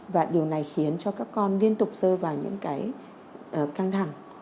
và điều này khiến cho các con liên tục rơi vào những cái căng thẳng